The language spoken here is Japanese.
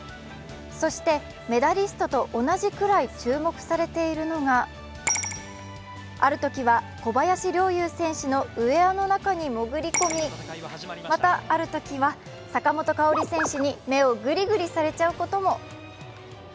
そして、メダリストと同じくらい注目されているのがあるときは小林陵侑選手のウエアの中に潜り込み、また、あるときは坂本花織選手に女をぐりぐりされちゃうことも。